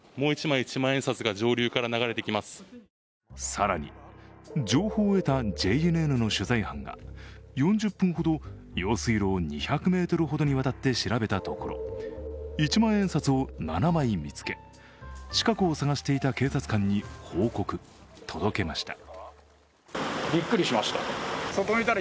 更に情報を得たＪＮＮの取材班が４０分ほど、用水路を２００ｍほどにわたって調べたところ、一万円札を７枚見つけ、近くを探していた警察官に報告、届けました。